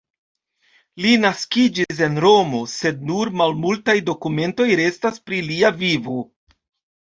Li naskiĝis en Romo, sed nur malmultaj dokumentoj restas pri lia vivo.